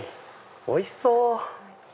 おいしそう！